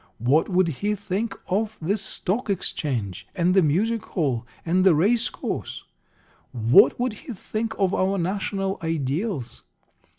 What would He think of the Stock Exchange, and the music hall, and the racecourse? What would he think of our national ideals?